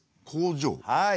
はい。